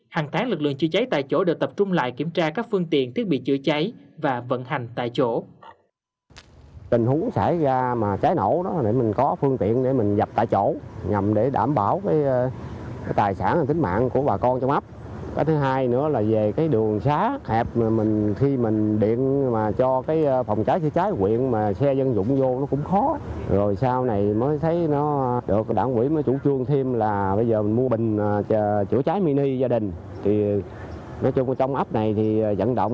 hàng tháng lực lượng chữa cháy tại chỗ đều tập trung lại kiểm tra các phương tiện thiết bị chữa cháy và vận hành tại chỗ